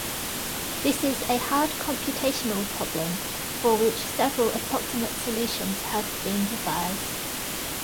This is a hard computational problem, for which several approximate solutions have been devised.